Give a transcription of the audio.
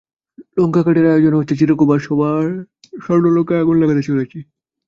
লঙ্কাকাণ্ডের আয়োজনও হচ্ছে, চিরকুমার-সভার স্বর্ণলঙ্কায় আগুন লাগাতে চলেছি।